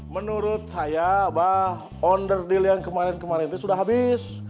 menurut saya mbah on the deal yang kemarin kemarin itu sudah habis